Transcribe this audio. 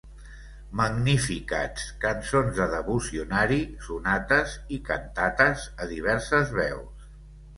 Magnificats, cançons de devocionari, sonates, i cantates a diverses veus.